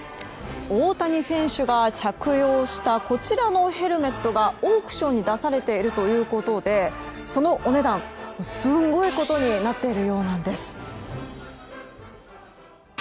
大谷選手が着用したこちらのヘルメットがオークションに出されているということでそのお値段、すごいことになっているようなんです。